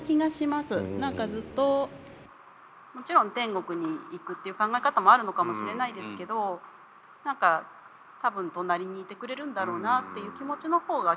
何かずっともちろん天国に行くっていう考え方もあるのかもしれないですけど何か多分隣にいてくれるんだろうなっていう気持ちの方が結構大きくて。